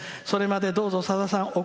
それまでどうぞ、さださん